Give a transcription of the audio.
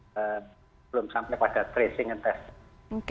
belum sampai pada tracing and testing